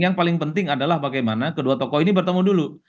yang paling penting adalah bagaimana kedua tokoh ini bertemu dulu